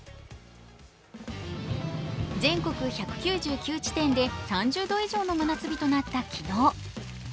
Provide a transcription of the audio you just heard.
全国１９９地点で３０度以上の真夏日となった昨日。